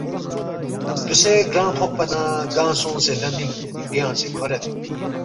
دوسے گرانگ فوقپانا گنگ سونگسے لمینگ ریانگسے کھورید